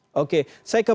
saya kemas kutipan